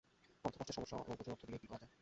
অর্থকষ্টের সমস্যা এবং প্রচুর অর্থ দিয়ে কী করা যায়।